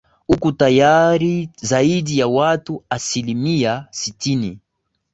huku tayari zaidi ya watu asilimia sitini